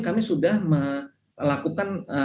kami sudah melakukan